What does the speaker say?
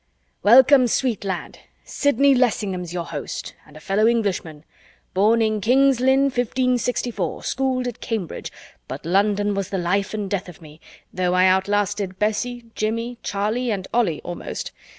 "Welcome, sweet lad. Sidney Lessingham's your host, and a fellow Englishman. Born in King's Lynn, 1564, schooled at Cambridge, but London was the life and death of me, though I outlasted Bessie, Jimmie, Charlie, and Ollie almost.